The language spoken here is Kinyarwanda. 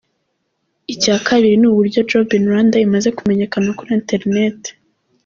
Icya kabiri ni uburyo Job in Rwanda imaze kumenyekana kuri internet.